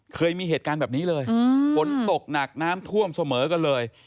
เคยมีเหตุการณ์แบบนี้เลยฝนตกหนักน้ำท่วมเสมอกันเลย